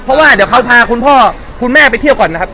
เพราะว่าเดี๋ยวเขาพาคุณพ่อคุณแม่ไปเที่ยวก่อนนะครับ